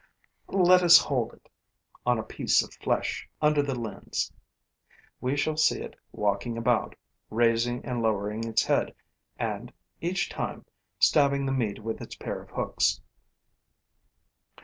Let us hold it, on a piece of flesh, under the lens. We shall see it walking about, raising and lowering its head and, each time, stabbing the meat with its pair of hooks.